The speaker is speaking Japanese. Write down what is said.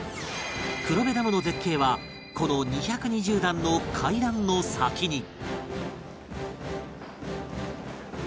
黒部ダムの絶景はこの２２０段の階段の先に